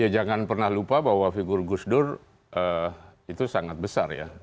jangan pernah lupa bahwa figur gus dur itu sangat besar ya